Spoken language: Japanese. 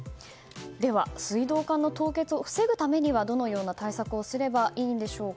では水道管の凍結を防ぐためにはどのような対策をすればいいんでしょうか。